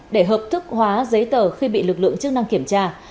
để hợp thức hóa giấy tờ khi bị lực lượng chức năng kiểm tra